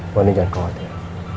bu andien jangan khawatir